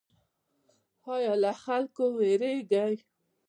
ایا له خلکو ویریږئ؟